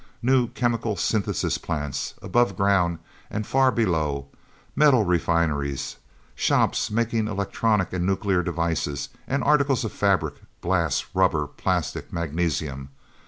New chemical synthesis plants, above ground and far below; metal refineries, shops making electronic and nuclear devices, and articles of fabric, glass, rubber, plastic, magnesium.